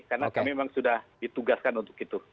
karena kami memang sudah ditugaskan untuk itu